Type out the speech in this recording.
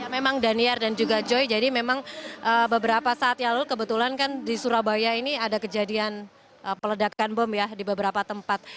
memang daniar dan juga joy jadi memang beberapa saat yang lalu kebetulan kan di surabaya ini ada kejadian peledakan bom ya di beberapa tempat